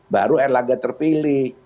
baru erlangga terpilih